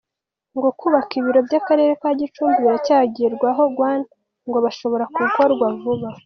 Ngo kubaka ibiro by’Akarere ka Gicumbi biracyaganirwaho, guan go boshobora gukorwa vuba.